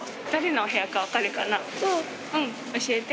うん。教えて。